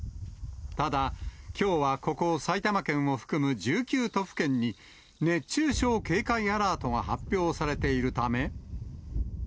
ただ、きょうはここ埼玉県を含む１９都府県に、熱中症警戒アラートが発表されているため。